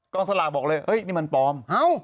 กองสลากบอกเลยเฮ้ยนี่มันปลอมอ้าว